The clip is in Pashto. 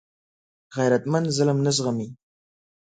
غیرتمند ظلم نه زغمي